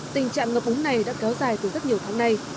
tình trạng ngập úng này đã kéo dài từ rất nhiều tháng nay